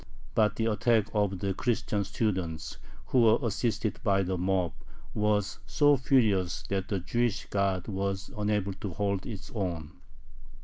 But the attack of the Christian students, who were assisted by the mob, was so furious that the Jewish guard was unable to hold its own.